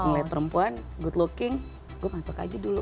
ngelihat perempuan good looking gue masuk aja dulu